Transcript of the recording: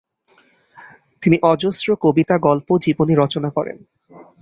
তিনি অজস্র কবিতা, গল্প, জীবনী রচনা করেন।